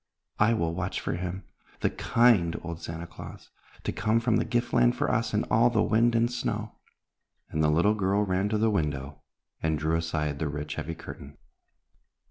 I will watch for him, the kind old Santa Claus, to come from the gift land for us in all the wind and snow," and the little girl ran to the window and drew aside the rich, heavy curtain.